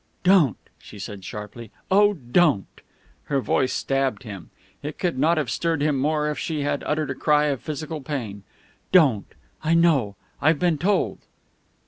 "Don't!" she said sharply. "Oh, don't!" Her voice stabbed him. It could not have stirred him more if she had uttered a cry of physical pain. "Don't! I know. I've been told."